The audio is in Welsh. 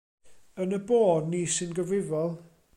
Yn y bôn ni sy'n gyfrifol.